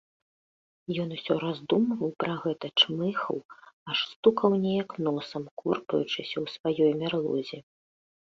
Ён усё раздумваў пра гэта, чмыхаў, аж стукаў неяк носам, корпаючыся ў сваёй мярлозе.